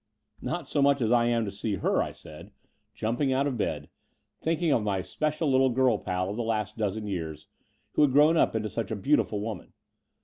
"Not so much as I am to seeing her/' I said, 84 The Door of the Unreal jumping out of bed, thinking of my special little girl pal of the last dozen years, who had grown up into such a beautiful woman.